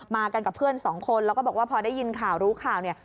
กันกับเพื่อนสองคนแล้วก็บอกว่าพอได้ยินข่าวรู้ข่าวเนี่ย